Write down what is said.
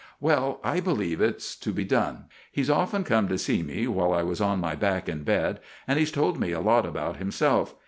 "Well, I believe it's to be done. He's often come to see me while I was on my back in bed, and he's told me a lot about himself.